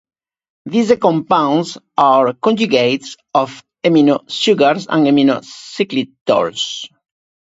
These compounds are conjugates of amino sugars and aminocyclitols.